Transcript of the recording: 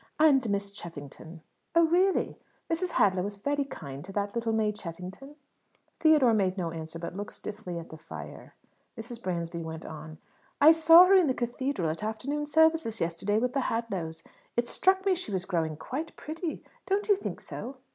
And Miss Cheffington." "Oh, really? Mrs. Hadlow is very kind to that little May Cheffington." Theodore made no answer, but looked stiffly at the fire. Mrs. Bransby went on: "I saw her in the cathedral at afternoon service yesterday, with the Hadlows. It struck me she was growing quite pretty. Don't you think so?"